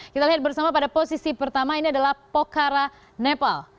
kita lihat bersama pada posisi pertama ini adalah pocara nepal